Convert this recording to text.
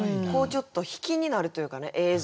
ちょっと引きになるというかね映像が。